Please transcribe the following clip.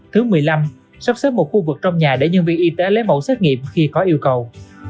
thứ mười lăm sắp xếp một khu vực trong nhà để nhân viên y tế lấy mẫu xét nghiệm khi có yêu cầu